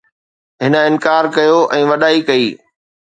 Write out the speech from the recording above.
هن انڪار ڪيو ۽ وڏائي ڪئي